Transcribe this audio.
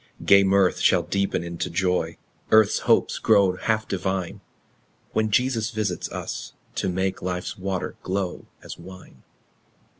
Gay mirth shall deepen into joy, Earth's hopes grow half divine, When Jesus visits us, to make Life's water glow as wine.